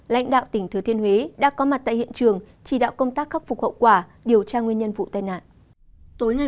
lãnh đạo tỉnh thừa thiên huế đã có mặt tại hiện trường chỉ đạo công tác khắc phục hậu quả điều tra nguyên nhân vụ tai nạn